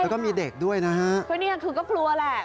แล้วก็มีเด็กด้วยนะฮะก็เนี่ยคือก็กลัวแหละ